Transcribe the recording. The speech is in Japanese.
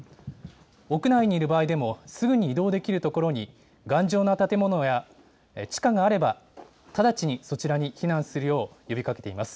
屋内にいる場合でも、すぐに移動できる所に頑丈な建物や地下があれば、直ちにそちらに避難するよう呼びかけています。